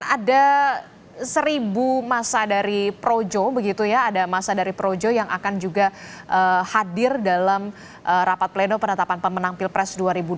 ada seribu masa dari projo yang akan juga hadir dalam rapat pleno penetapan pemenang pilpres dua ribu dua puluh empat